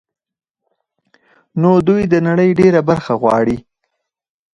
نو دوی د نړۍ ډېره برخه غواړي